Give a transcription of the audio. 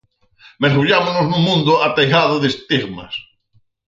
Mergullámonos nun mundo ateigado de estigmas.